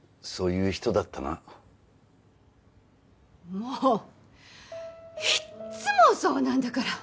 もういっつもそうなんだから！